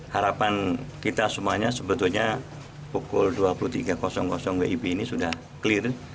harapan kita semuanya sebetulnya pukul dua puluh tiga wib ini sudah clear